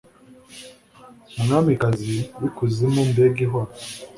Umwamikazi w'ikuzimu mbega ihwa